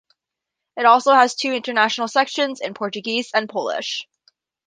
It also has two international sections, in Portuguese and Polish.